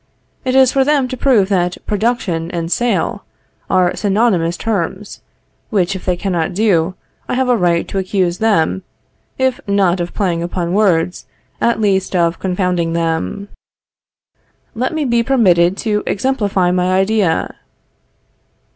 It is for them to prove that production and sale are synonymous terms, which if they cannot do, I have a right to accuse them, if not of playing upon words, at least of confounding them. Let me be permitted to exemplify my idea.